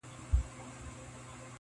نه په کار مي دی معاش نه منصب او نه مقام,